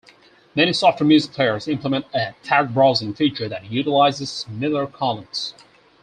Many software music players implement a "tag browsing" feature that utilizes Miller columns.